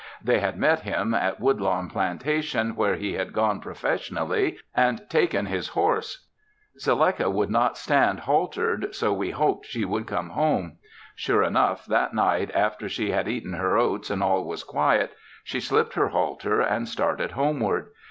They had met him at Woodlawn plantation where he had gone professionally and taken his horse. Zeleka would not stand haltered, so we hoped she would come home. Sure enough that night after she had eaten her oats and all was quiet she slipped her halter and started homeward.